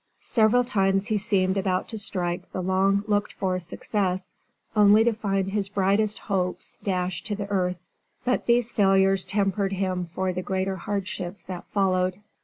Several times he seemed about to strike the long looked for success only to find his brightest hopes dashed to the earth. But these failures tempered him for the greater hardships that followed.